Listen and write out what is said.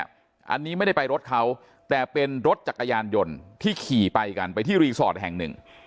อันนี้ไม่ได้ไปรถเขาแต่เป็นรถจักรยานยนต์ที่ขี่ไปกันไปที่รีสอร์ทแห่งหนึ่ง